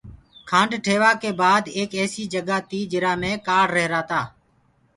کآنڊ ٺيوآ ڪي بآد ايڪ ايسي جگآ تي جرآ مي کآڙ رهيري تي۔